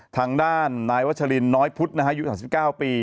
ทางด้านนายวัชลินน้อยพุทธอายุ๓๙ปี